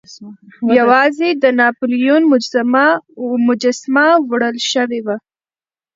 یوازې د ناپلیون مجسمه وړل شوې وه.